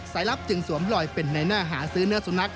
ลับจึงสวมลอยเป็นในหน้าหาซื้อเนื้อสุนัข